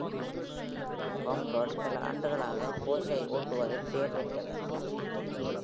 கம்ப்ராட் பல ஆண்டுகளாக போர்ஷை ஓட்டுவதில் பெயர் பெற்றவர்.